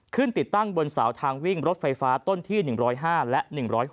ติดตั้งบนเสาทางวิ่งรถไฟฟ้าต้นที่๑๐๕และ๑๐๖